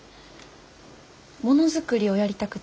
ものづくりをやりたくて。